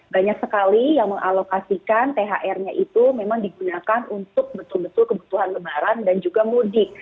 banyak sekali yang mengalokasikan thr nya itu memang digunakan untuk betul betul kebutuhan lebaran dan juga mudik